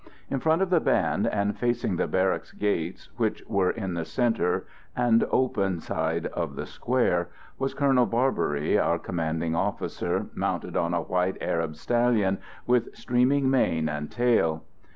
In front of the band and facing the barrack gates, which were in the centre and open side of the square, was Colonel Barbery, our commanding officer, mounted on a white Arab stallion with streaming mane and tail.